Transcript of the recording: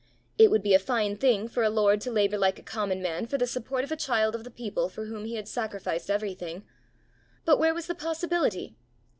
It would be a fine thing for a lord to labour like a common man for the support of a child of the people for whom he had sacrificed everything; but where was the possibility?